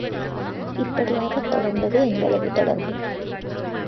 இப்படியாக தொடர்ந்தது எங்களது தொடர்பு.